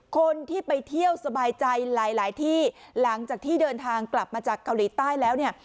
คนที่ไปเที่ยวสบายใจหลายหลายที่หลังจากที่เดินทางกลับมาจากเกาหลีใต้แล้วเนี่ย